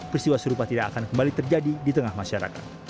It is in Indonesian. peristiwa serupa tidak akan kembali terjadi di tengah masyarakat